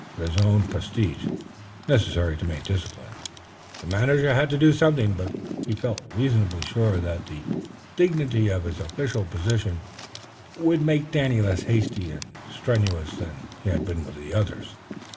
For his own prestige (necessary to maintain discipline), the manager had to do something, but he felt reasonably sure that the dignity of his official position would make Danny less hasty and strenuous than he had been with others.